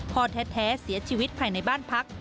พ่อแท้เสียชีวิตภายในบ้านพัก